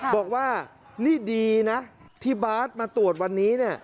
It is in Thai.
บอกว่านี่ดีนะที่บาทมาตรวจวันนี้